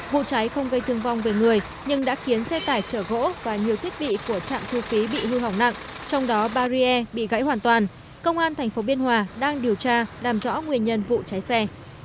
vụ cháy không gây thương vong về người nhưng đã khiến xe tải chở gỗ và nhiều thiết bị của trạm thu phí bị hư hỏng nặng trong đó barrier bị gãy hoàn toàn công an tp biên hòa đang điều tra làm rõ nguyên nhân vụ cháy xe